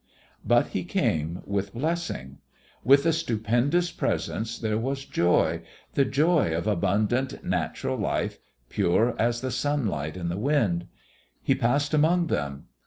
But He came with blessing. With the stupendous Presence there was joy, the joy of abundant, natural life, pure as the sunlight and the wind. He passed among them.